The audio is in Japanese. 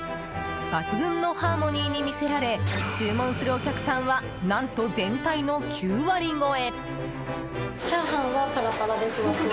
抜群のハーモニーに魅せられ注文するお客さんは何と全体の９割超え。